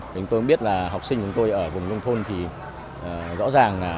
mình tôi biết là học sinh của tôi ở vùng vùng thôn thì rõ ràng là